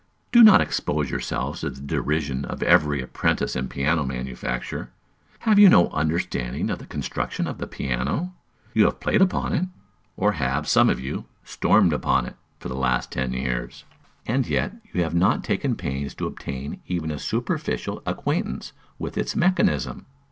Do not expose yourselves to the derision of every apprentice in piano manufacture. Have you no understanding of the construction of the piano? You have played upon it, or have, some of you, stormed upon it, for the last ten years; and yet you have not taken pains to obtain even a superficial acquaintance with its mechanism.